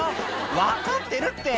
「分かってるって」